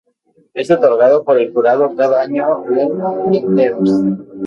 Es otorgado por el jurado cada año en printemps.